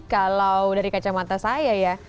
kalau dari kacamata saya ya